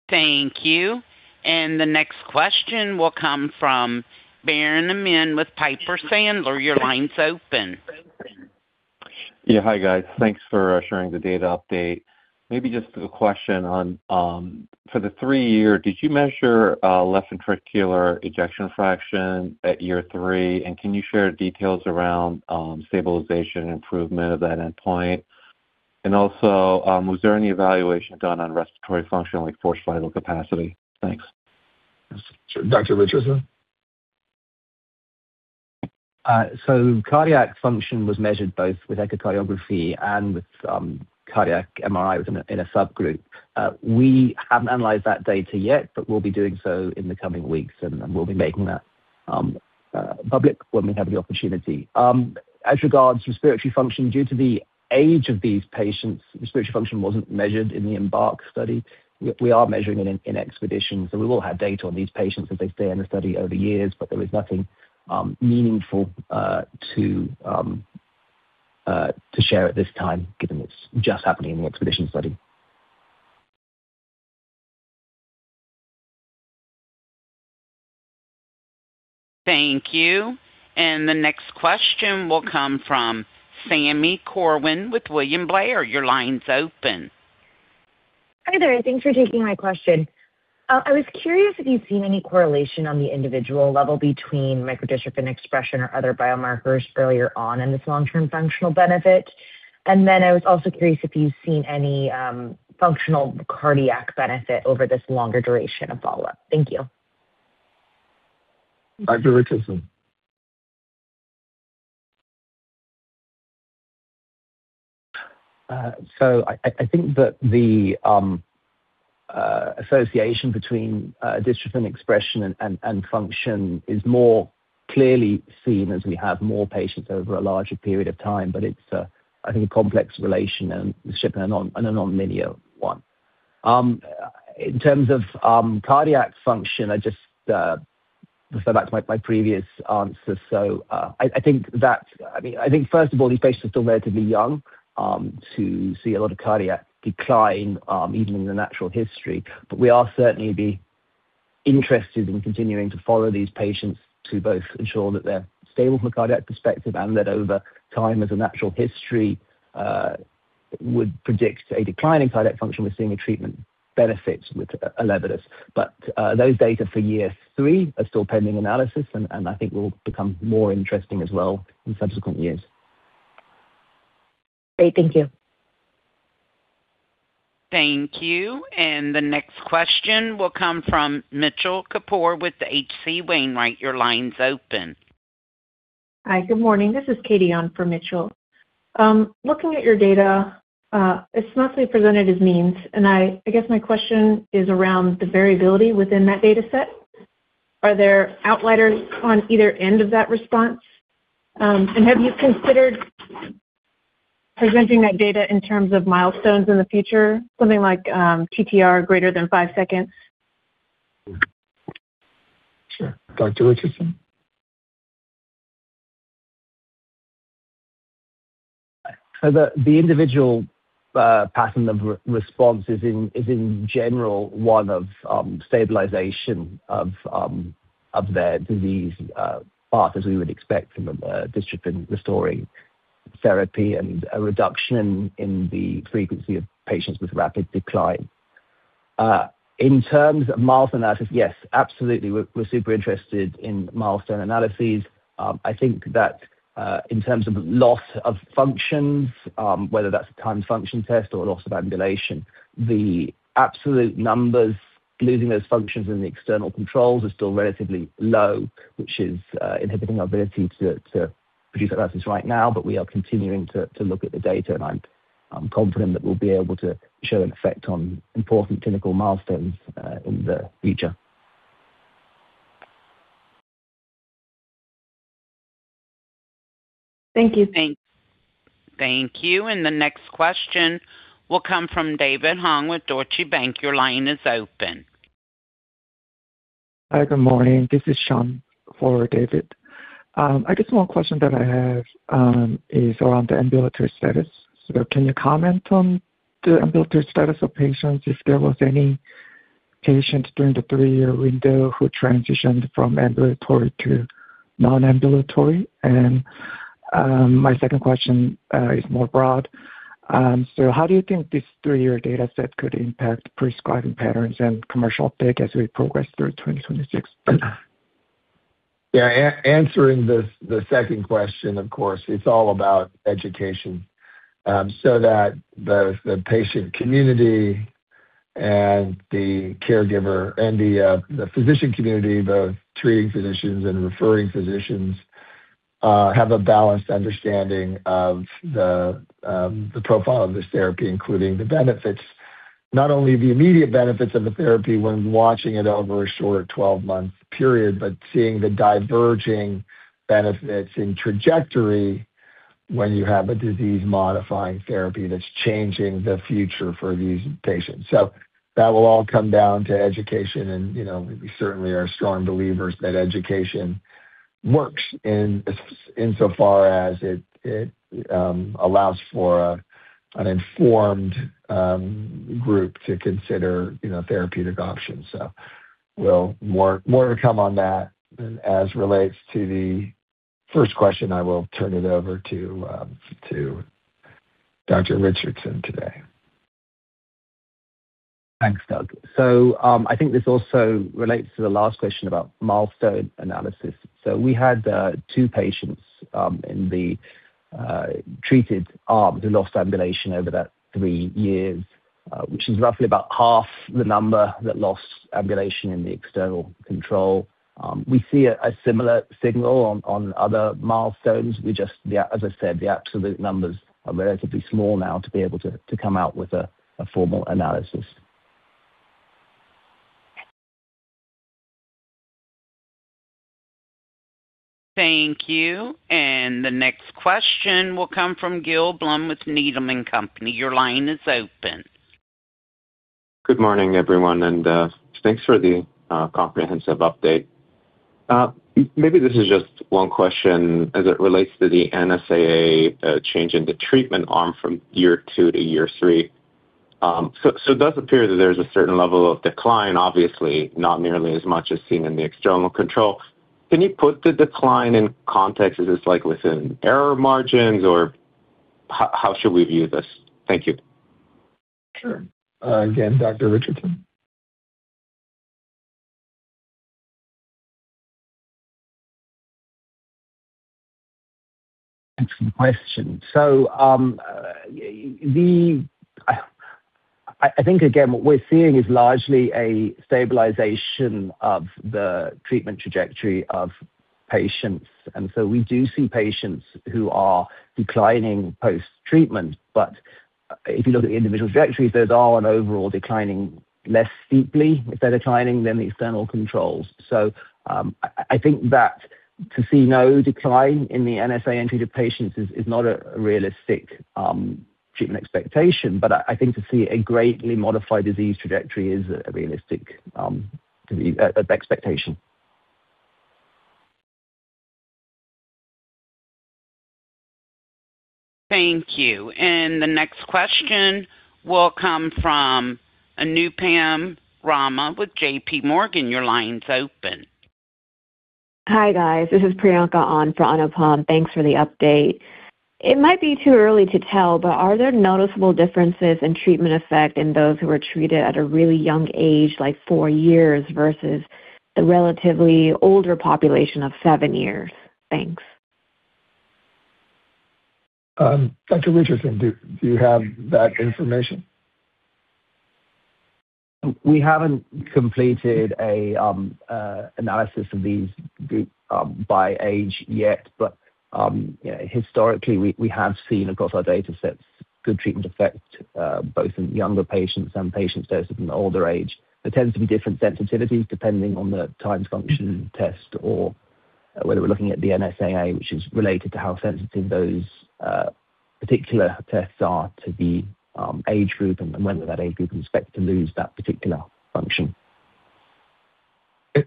Thank you. The next question will come from Biren Amin with Piper Sandler. Your line's open. Yeah. Hi, guys. Thanks for sharing the data update. Maybe just a question on for the three-year, did you measure left ventricular ejection fraction at year three? And can you share details around stabilization and improvement of that endpoint? And also, was there any evaluation done on respiratory function, like forced vital capacity? Thanks. Sure. Dr. Richardson. So cardiac function was measured both with echocardiography and with cardiac MRI in a subgroup. We haven't analyzed that data yet, but we'll be doing so in the coming weeks, and we'll be making that public when we have the opportunity. As regards to respiratory function, due to the age of these patients, respiratory function wasn't measured in the EMBARK study. We are measuring it in EXPEDITION. So we will have data on these patients as they stay in the study over years, but there is nothing meaningful to share at this time, given it's just happening in the EXPEDITION study. Thank you. And the next question will come from Sami Corwin with William Blair. Your line's open. Hi there. Thanks for taking my question. I was curious if you've seen any correlation on the individual level between microdystrophin expression or other biomarkers earlier on in this long-term functional benefit. And then I was also curious if you've seen any functional cardiac benefit over this longer duration of follow-up. Thank you. Dr. Richardson. So I think that the association between dystrophin expression and function is more clearly seen as we have more patients over a larger period of time, but it's, I think, a complex relationship and a non-linear one. In terms of cardiac function, I just refer back to my previous answer. So I think that, I mean, I think, first of all, these patients are still relatively young to see a lot of cardiac decline, even in the natural history. But we are certainly interested in continuing to follow these patients to both ensure that they're stable from a cardiac perspective and that over time, as a natural history, would predict a decline in cardiac function with seeing a treatment benefit with ELEVIDYS. But those data for year three are still pending analysis, and I think will become more interesting as well in subsequent years. Great. Thank you. Thank you. The next question will come from Mitchell Kapoor with H.C. Wainwright & Co. Your line's open. Hi. Good morning. This is Katie on for Mitchell. Looking at your data, it's mostly presented as means. And I guess my question is around the variability within that data set. Are there outliers on either end of that response? And have you considered presenting that data in terms of milestones in the future, something like TTR greater than five seconds? Sure. Dr. Richardson. The individual pattern of response is, in general, one of stabilization of their disease path, as we would expect from a dystrophin-restoring therapy and a reduction in the frequency of patients with rapid decline. In terms of milestone analysis, yes, absolutely. We're super interested in milestone analyses. I think that in terms of loss of functions, whether that's a timed function test or loss of ambulation, the absolute numbers losing those functions in the external controls are still relatively low, which is inhibiting our ability to produce analysis right now. But we are continuing to look at the data, and I'm confident that we'll be able to show an effect on important clinical milestones in the future. Thank you. Thank you. The next question will come from David Hoang with Deutsche Bank. Your line is open. Hi. Good morning. This is Sean for David. I just have one question that I have is around the ambulatory status. So can you comment on the ambulatory status of patients, if there was any patient during the three-year window who transitioned from ambulatory to non-ambulatory? And my second question is more broad. So how do you think this three-year data set could impact prescribing patterns and commercial uptake as we progress through 2026? Yeah. Answering the second question, of course, it's all about education so that both the patient community and the caregiver and the physician community, both treating physicians and referring physicians, have a balanced understanding of the profile of this therapy, including the benefits, not only the immediate benefits of the therapy when watching it over a short 12-month period, but seeing the diverging benefits in trajectory when you have a disease-modifying therapy that's changing the future for these patients. So that will all come down to education. And we certainly are strong believers that education works insofar as it allows for an informed group to consider therapeutic options. So we'll more to come on that. And as relates to the first question, I will turn it over to Dr. Richardson today. Thanks, Doug. So I think this also relates to the last question about milestone analysis. So we had 2 patients in the treated arm who lost ambulation over that 3 years, which is roughly about half the number that lost ambulation in the external control. We see a similar signal on other milestones. As I said, the absolute numbers are relatively small now to be able to come out with a formal analysis. Thank you. The next question will come from Gil Blum with Needham & Company. Your line is open. Good morning, everyone. Thanks for the comprehensive update. Maybe this is just one question as it relates to the NSAA change in the treatment arm from year two to year three. So it does appear that there's a certain level of decline, obviously, not nearly as much as seen in the external control. Can you put the decline in context? Is this within error margins, or how should we view this? Thank you. Sure. Again, Dr. Richardson. Excellent question. So I think, again, what we're seeing is largely a stabilization of the treatment trajectory of patients. And so we do see patients who are declining post-treatment. But if you look at the individual trajectories, those are overall declining less steeply if they're declining than the external controls. So I think that to see no decline in the NSAA in treated patients is not a realistic treatment expectation, but I think to see a greatly modified disease trajectory is a realistic expectation. Thank you. The next question will come from Anupam Rama with JPMorgan. Your line's open. Hi, guys. This is Priyanka on for Anupam. Thanks for the update. It might be too early to tell, but are there noticeable differences in treatment effect in those who are treated at a really young age, like four years, versus the relatively older population of seven years? Thanks. Dr. Richardson, do you have that information? We haven't completed an analysis of these by age yet, but historically, we have seen, across our data sets, good treatment effect both in younger patients and patients closer to an older age. There tends to be different sensitivities depending on the timed function test or whether we're looking at the NSAA, which is related to how sensitive those particular tests are to the age group and when that age group expects to lose that particular function.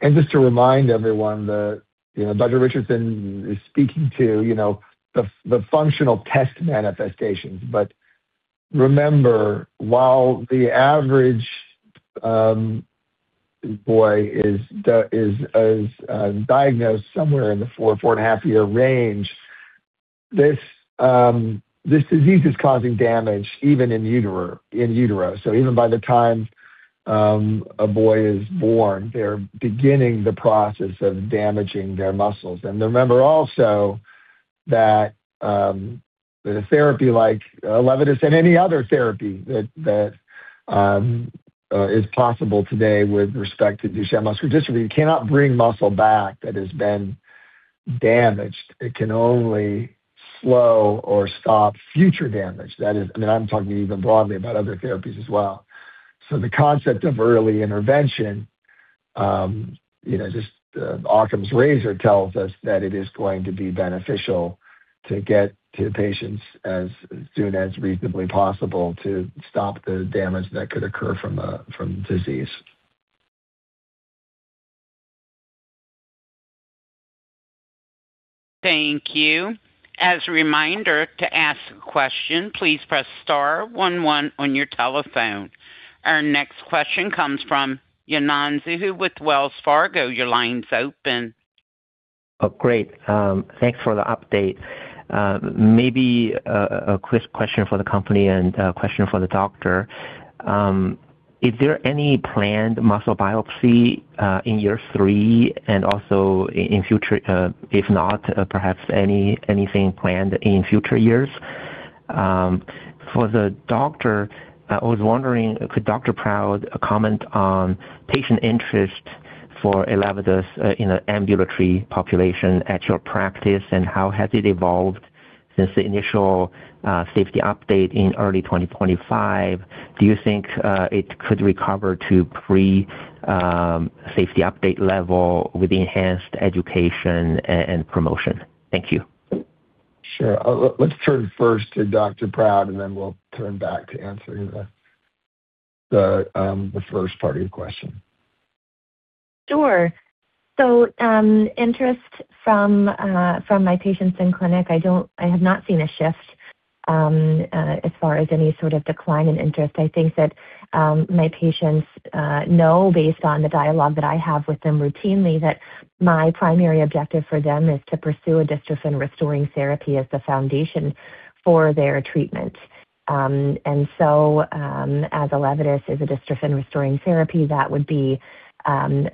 And just to remind everyone that Dr. Richardson is speaking to the functional test manifestations. But remember, while the average boy is diagnosed somewhere in the 4, 4.5-year range, this disease is causing damage even in utero. So even by the time a boy is born, they're beginning the process of damaging their muscles. And remember also that a therapy like ELEVIDYS and any other therapy that is possible today with respect to Duchenne muscular dystrophy, you cannot bring muscle back that has been damaged. It can only slow or stop future damage. I mean, I'm talking even broadly about other therapies as well. So the concept of early intervention, just Occam's razor tells us that it is going to be beneficial to get to patients as soon as reasonably possible to stop the damage that could occur from disease. Thank you. As a reminder to ask a question, please press star one one on your telephone. Our next question comes from Yanan Zhu with Wells Fargo. Your line's open. Oh, great. Thanks for the update. Maybe a quick question for the company and a question for the doctor. Is there any planned muscle biopsy in year three and also in future, if not, perhaps anything planned in future years? For the doctor, I was wondering, could Dr. Proud comment on patient interest for ELEVIDYS in the ambulatory population at your practice, and how has it evolved since the initial safety update in early 2025? Do you think it could recover to pre-safety update level with enhanced education and promotion? Thank you. Sure. Let's turn first to Dr. Proud, and then we'll turn back to answering the first part of your question. Sure. So interest from my patients in clinic, I have not seen a shift as far as any sort of decline in interest. I think that my patients know, based on the dialogue that I have with them routinely, that my primary objective for them is to pursue a dystrophin-restoring therapy as the foundation for their treatment. And so as ELEVIDYS is a dystrophin-restoring therapy, that would be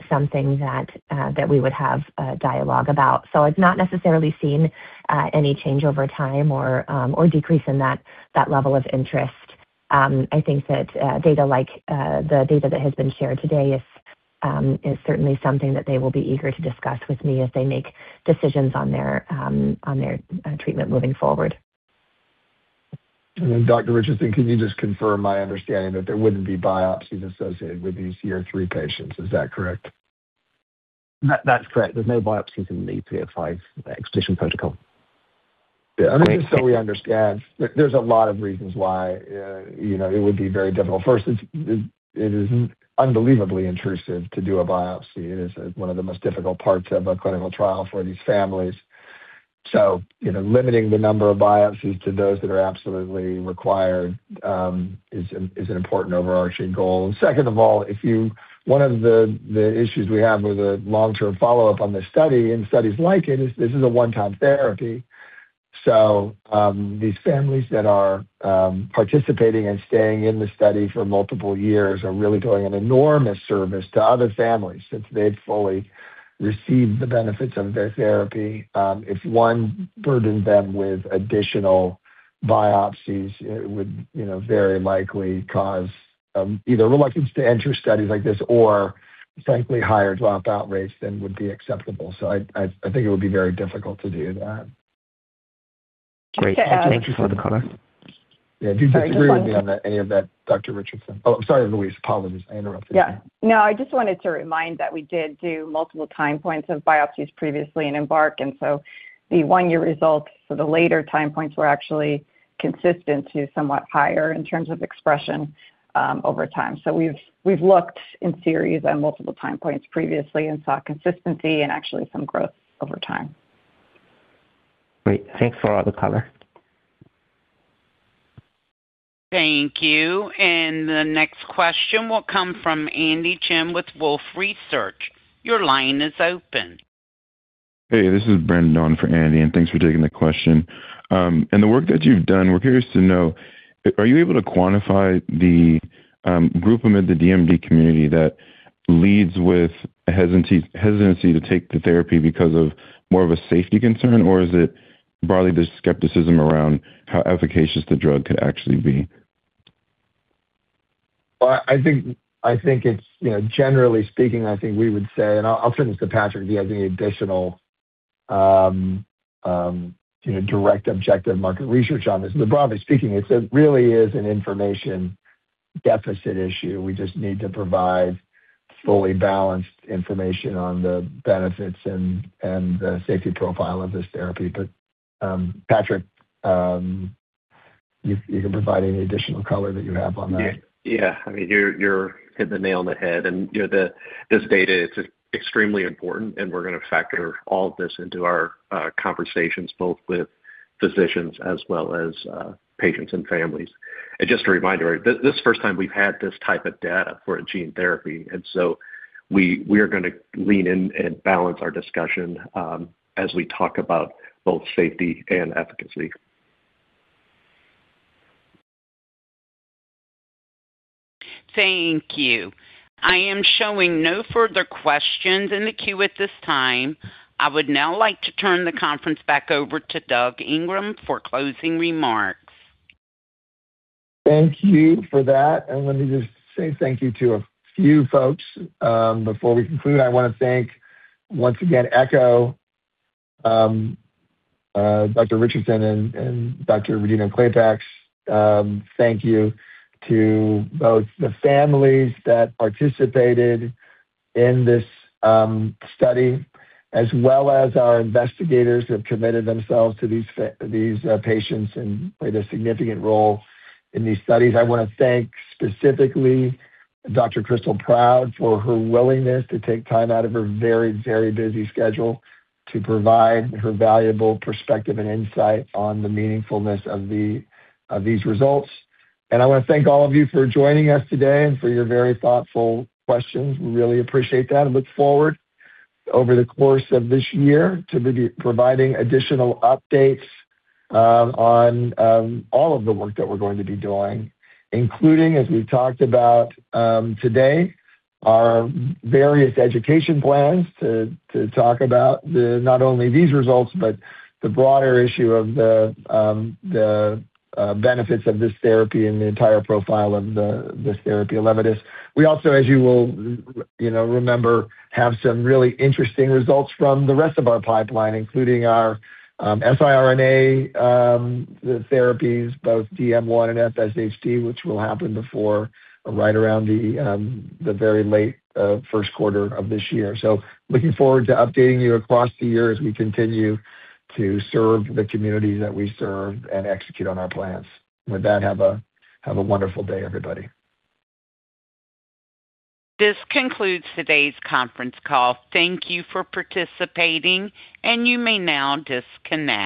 something that we would have dialogue about. So I've not necessarily seen any change over time or decrease in that level of interest. I think that data like the data that has been shared today is certainly something that they will be eager to discuss with me as they make decisions on their treatment moving forward. And then, Dr. Richardson, can you just confirm my understanding that there wouldn't be biopsies associated with these year three patients? Is that correct? That's correct. There's no biopsies in the pivotal extension protocol. Yeah. I mean, just so we understand, there's a lot of reasons why it would be very difficult. First, it is unbelievably intrusive to do a biopsy. It is one of the most difficult parts of a clinical trial for these families. So limiting the number of biopsies to those that are absolutely required is an important overarching goal. And second of all, one of the issues we have with the long-term follow-up on this study and studies like it is this is a one-time therapy. So these families that are participating and staying in the study for multiple years are really doing an enormous service to other families since they've fully received the benefits of their therapy. If one burdens them with additional biopsies, it would very likely cause either reluctance to enter studies like this or, frankly, higher dropout rates than would be acceptable. I think it would be very difficult to do that. Great. Thank you for the comment. Yeah. Do you disagree with me on any of that, Dr. Richardson? Oh, sorry, Louise. Apologies. I interrupted you. Yeah. No, I just wanted to remind that we did do multiple time points of biopsies previously in EMBARK. The one-year results for the later time points were actually consistent to somewhat higher in terms of expression over time. We've looked in series at multiple time points previously and saw consistency and actually some growth over time. Great. Thanks for the comment. Thank you. And the next question will come from Andy Chen with Wolfe Research. Your line is open. Hey, this is Brandon on for Andy, and thanks for taking the question. The work that you've done, we're curious to know, are you able to quantify the group amid the DMD community that leads with a hesitancy to take the therapy because of more of a safety concern, or is it broadly the skepticism around how efficacious the drug could actually be? Well, I think generally speaking, I think we would say, and I'll turn this to Patrick if he has any additional direct objective market research on this. But broadly speaking, it really is an information deficit issue. We just need to provide fully balanced information on the benefits and the safety profile of this therapy. But Patrick, you can provide any additional color that you have on that. Yeah. I mean, you've hit the nail on the head. This data, it's extremely important, and we're going to factor all of this into our conversations both with physicians as well as patients and families. Just a reminder, this is the first time we've had this type of data for a gene therapy. So we are going to lean in and balance our discussion as we talk about both safety and efficacy. Thank you. I am showing no further questions in the queue at this time. I would now like to turn the conference back over to Doug Ingram for closing remarks. Thank you for that. Let me just say thank you to a few folks. Before we conclude, I want to thank once again, Echo, Dr. Richardson, and Dr. Rodino-Klapac. Thank you to both the families that participated in this study, as well as our investigators who have committed themselves to these patients and played a significant role in these studies. I want to thank specifically Dr. Crystal Proud for her willingness to take time out of her very, very busy schedule to provide her valuable perspective and insight on the meaningfulness of these results. I want to thank all of you for joining us today and for your very thoughtful questions. We really appreciate that and look forward over the course of this year to providing additional updates on all of the work that we're going to be doing, including, as we've talked about today, our various education plans to talk about not only these results, but the broader issue of the benefits of this therapy and the entire profile of this therapy ELEVIDYS. We also, as you will remember, have some really interesting results from the rest of our pipeline, including our siRNA therapies, both DM1 and FSHD, which will happen right around the very late first quarter of this year. So looking forward to updating you across the year as we continue to serve the communities that we serve and execute on our plans. With that, have a wonderful day, everybody. This concludes today's conference call. Thank you for participating, and you may now disconnect.